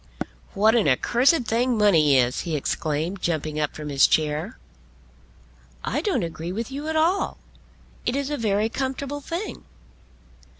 "What an accursed thing money is," he exclaimed, jumping up from his chair. "I don't agree with you at all. It is a very comfortable thing."